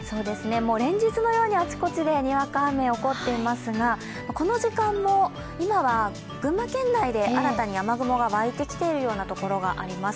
連日のようにあちこちでにわか雨起こっていますがこの時間も今は群馬県内で新たに雨雲が湧いてきているようなところがあります。